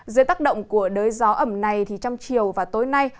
dưới tác động của đới gió ẩm này thì trong chiều và tối nay